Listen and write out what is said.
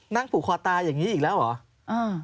ผูกคอตายอย่างนี้อีกแล้วเหรอ